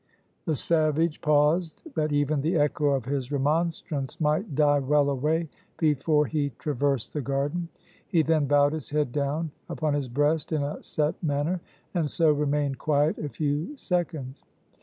The savage paused, that even the echo of his remonstrance might die well away before he traversed the garden. He then bowed his head down upon his breast in a set manner, and so remained quiet a few seconds.